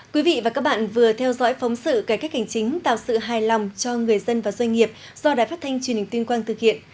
quý vị và các bạn vừa theo dõi phóng sự cải cách hành chính tạo sự hài lòng cho người dân và doanh nghiệp do đài phát thanh truyền hình tuyên quang thực hiện